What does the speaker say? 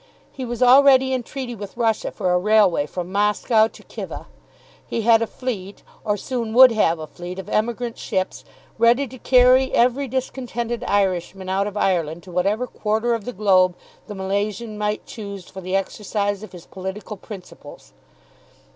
He was already in treaty with Russia for a railway from Moscow to Khiva. He had a fleet, or soon would have a fleet of emigrant ships, ready to carry every discontented Irishman out of Ireland to whatever quarter of the globe the Milesian might choose for the exercise of his political principles.